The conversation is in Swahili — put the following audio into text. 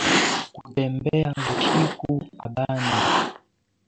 Kutembea bushiku apana